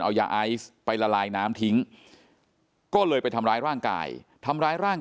เอายาไอซ์ไปละลายน้ำทิ้งก็เลยไปทำร้ายร่างกายทำร้ายร่าง